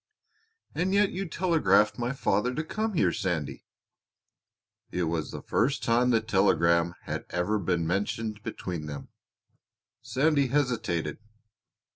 "And yet you telegraphed my father to come here, Sandy." It was the first time the telegram had ever been mentioned between them. Sandy hesitated.